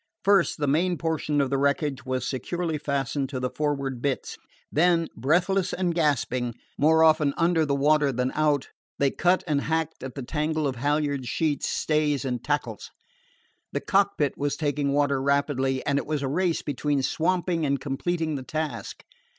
First the main portion of the wreckage was securely fastened to the forward bitts; then, breathless and gasping, more often under the water than out, they cut and hacked at the tangle of halyards, sheets, stays, and tackles. The cockpit was taking water rapidly, and it was a race between swamping and completing the task.